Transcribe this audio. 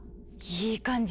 いい感じ！